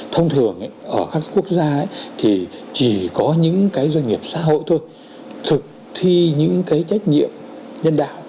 thông thường ở các quốc gia thì chỉ có những cái doanh nghiệp xã hội thôi thực thi những cái trách nhiệm nhân đạo